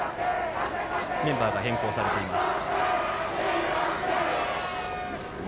メンバーが変更されています。